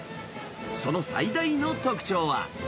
その最大の特徴は。